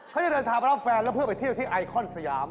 เขาจะเดินทางไปรับแฟนแล้วเพื่อไปเที่ยวที่ไอคอนสยาม